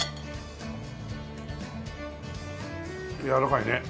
やわらかいね。